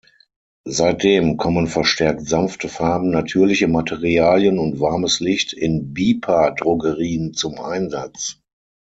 Seitdem kommen verstärkt sanfte Farben, natürliche Materialien und warmes Licht in Bipa-Drogerien zum Einsatz.